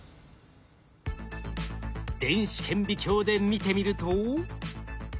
電子顕微鏡で見てみると。